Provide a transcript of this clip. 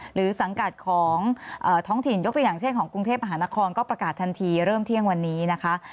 หรือสังกัดของท้องถิ่นยกตัวอย่างเช่นของกรุงเทพมหานครก็ประกาศทันทีเริ่มเที่ยงวันนี้นะคะ